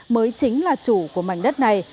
mới chính là chủ của mảnh đất này